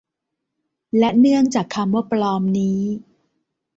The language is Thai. และเนื่องจากคำว่า ปลอม นี้